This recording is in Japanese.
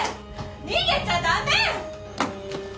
逃げちゃダメ！